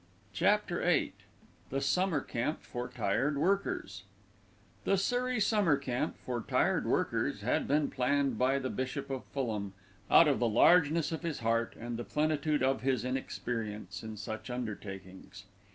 CHAPTER VIII THE SUMMER CAMP FOR TIRED WORKERS The Surrey Summer Camp for Tired Workers had been planned by the Bishop of Fulham out of the largeness of his heart and the plenitude of his inexperience in such undertakings.